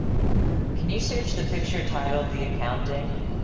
Can you search the picture titled The Accounting?